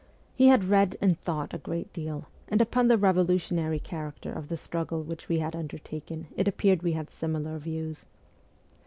He had read and thought a great deal, and upon the revolutionary character of the struggle which we had undertaken it appeared we had similar views.